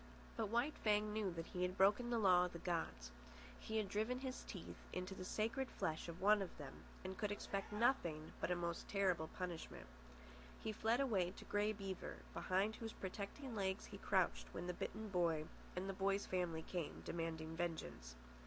But White Fang knew that he had broken the law of the gods. He had driven his teeth into the sacred flesh of one of them, and could expect nothing but a most terrible punishment. He fled away to Grey Beaver, behind whose protecting legs he crouched when the bitten boy and the boy's family came, demanding vengeance.